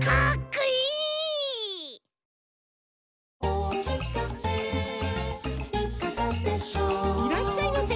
いらっしゃいませ！